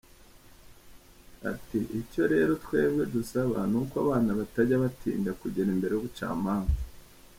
Ati “Icyo rero twebwe dusaba ni uko abana batajya batinda kugera imbere y’ubucmanza.